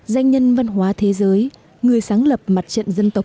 danh nhân văn hóa thế giới người sáng lập mặt trận dân tộc